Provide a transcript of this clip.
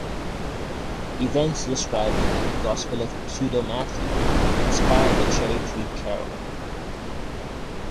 Events described in the Gospel of Pseudo-Matthew inspired "The Cherry-Tree Carol".